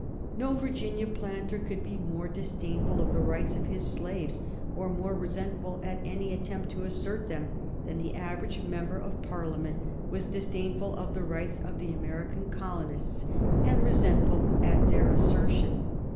No Virginian planter could be more disdainful of the rights of his slaves, or more resentful at any attempt to assert them, than the average member of Parliament was disdainful of the rights of the American colonists and resentful at their assertion.